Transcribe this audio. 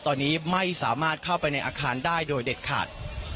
ตอนนี้ไม่สามารถเข้าไปในอาคารได้โดยเด็ดขาด